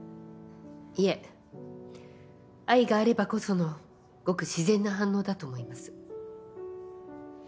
いえ愛があればこそのごく自然な反応だと思います。